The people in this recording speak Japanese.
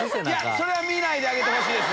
それは見ないであげてほしいです。